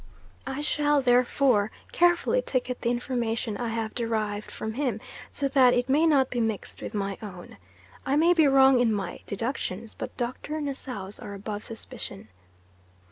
I shall therefore carefully ticket the information I have derived from him, so that it may not be mixed with my own. I may be wrong in my deductions, but Dr. Nassau's are above suspicion.